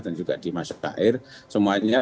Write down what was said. dan juga di masyair semuanya